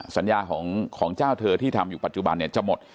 สัญญาของเจ้าเธอที่ทำอยู่ปัจจุบันเนี่ยจะหมด